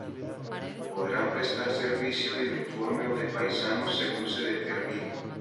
Podrán prestar servicio de uniforme o de paisano, según se determine.